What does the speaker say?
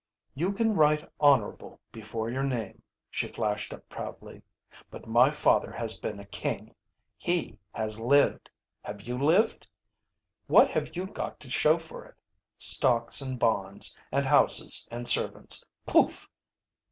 "You can write 'Honourable' before your name," she flashed up proudly. "But my father has been a king. He has lived. Have you lived? What have you got to show for it? Stocks and bonds, and houses and servants pouf!